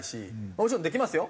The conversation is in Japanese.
もちろんできますよ